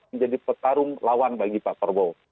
menjadi petarung lawan bagi pak prabowo